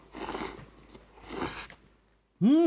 うん！